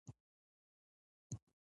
هغوی یې د پوځي موټر شاته ډالې ته پورته کول